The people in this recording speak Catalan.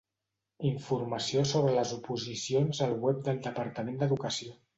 Informació sobre les oposicions al web del Departament d'Educació.